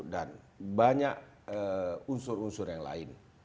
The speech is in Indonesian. dan banyak unsur unsur yang lain